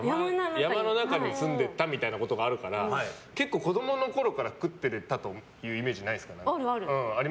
山の中に住んでたみたいなこともあるから結構子供のころから食ってたというイメージあるある。